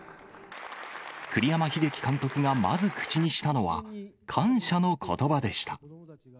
栗山英樹監督がまず口にしたのは、感謝のことばでした。